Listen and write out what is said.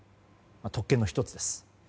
特権の１つです。